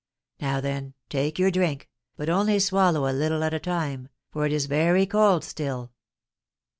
"Now, then, take your drink, but only swallow a little at a time, for it is very cold still."